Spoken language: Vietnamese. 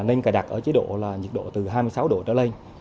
nên cài đặt ở chế độ là nhiệt độ từ hai mươi sáu độ trở lên